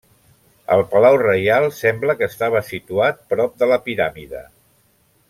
El palau reial sembla que estava situat prop de la piràmide.